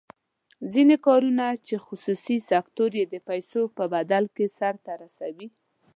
ځینې کارونه چې خصوصي سکتور یې د پیسو په بدل کې سر ته رسوي.